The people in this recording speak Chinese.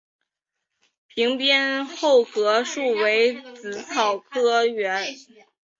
屏边厚壳树为紫草科厚壳树属下的一个种。